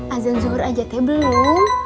azan zuhur ajatnya belum